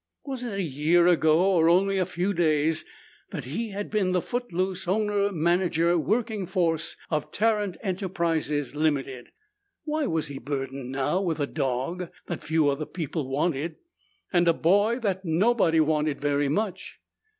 Was it a year ago, or only a few days, that he had been the footloose owner manager working force of Tarrant Enterprises, Ltd.? Why was he burdened now with a dog that few other people wanted and a boy that nobody wanted very much?